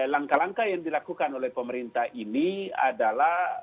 langkah langkah yang dilakukan oleh pemerintah ini adalah